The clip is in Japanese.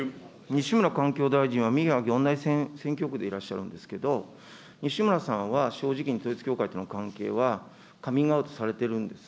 西村環境大臣は選挙区でいらっしゃるんですけれども、西村さんは、正直に統一教会との関係はカミングアウトされてるんです。